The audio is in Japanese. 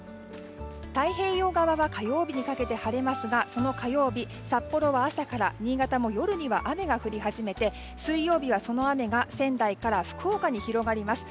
太平洋側は火曜日にかけて晴れますがその火曜日札幌は朝から新潟も夜には雨が降り始めて水曜日はその雨が仙台から福岡に広がります。